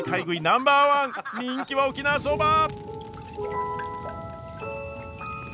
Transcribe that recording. ナンバーワン人気は沖縄そば！